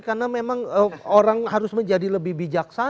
karena memang orang harus menjadi lebih bijaksana